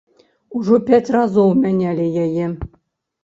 Ужо пяць разоў мянялі яе.